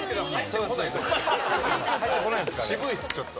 岩井：渋いです、ちょっと。